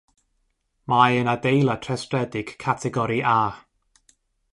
Mae e'n adeilad rhestredig categori A.